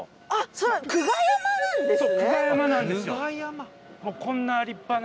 そう久我山なんですよ。